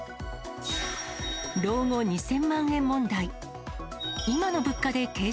老後２０００万円問題。